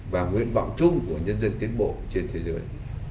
và nguyện vọng chung của nhân dân tiến bộ trên thế giới